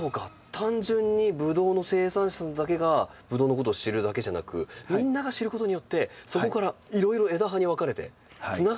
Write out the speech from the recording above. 単純にブドウの生産者さんだけがブドウのことを知るだけじゃなくみんなが知ることによってそこからいろいろ枝葉に分かれてつながっていくということですね。